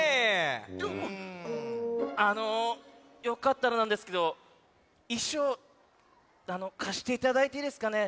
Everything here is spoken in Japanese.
どーもあのよかったらなんですけどいしょうかしていただいていいですかね？